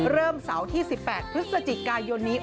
เริ่มเสาร์ที่๑๘พฤศจิกายนนี้